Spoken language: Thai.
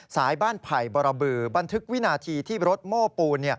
สายบ้านไผ่บรบือบันทึกวินาทีที่รถโม้ปูน